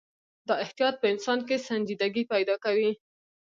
دا احتیاط په انسان کې سنجیدګي پیدا کوي.